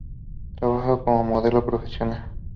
Trabaja como modelo profesional.